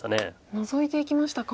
ノゾいていきましたか。